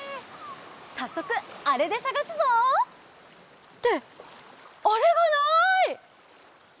さっそくあれでさがすぞ！ってあれがない！